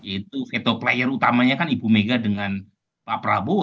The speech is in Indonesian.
itu veto player utamanya kan ibu mega dengan pak prabowo